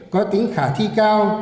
có tính khả thi cao